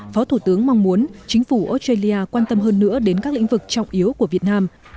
phó thủ tướng mong muốn chính phủ australia quan tâm hơn nữa đến các lĩnh vực trọng yếu của việt nam